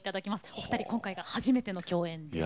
お二人今回が初めての共演です。